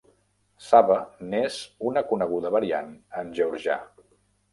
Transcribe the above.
Saba n'és una coneguda variant en georgià.